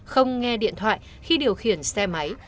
không nghe điện thoại khi điều khiển xe máy